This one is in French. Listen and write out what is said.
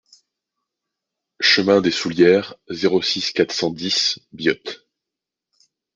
Chemin des Soullieres, zéro six, quatre cent dix Biot